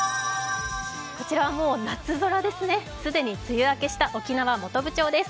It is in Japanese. こちらはもう夏空ですね既に梅雨明けした沖縄・本部町です。